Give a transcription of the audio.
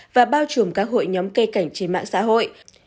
và bao trùm các hội nhóm cây cảnh trên mạng xã hội